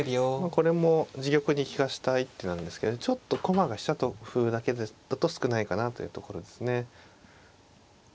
これも自玉に利かした一手なんですけどちょっと駒が飛車と歩だけですと少ないかなというところですね。